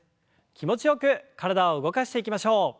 気持ちよく体を動かしていきましょう。